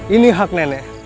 ini hak nenek